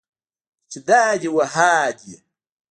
چې دا دي و ها دي.